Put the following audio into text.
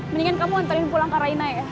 mendingan kamu nantain pulang kak raina ya